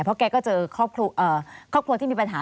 เพราะแกก็เจอครอบครัวที่มีปัญหา